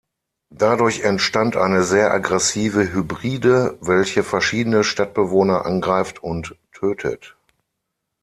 Dadurch entstand eine sehr aggressive Hybride, welche verschiedene Stadtbewohner angreift und tötet.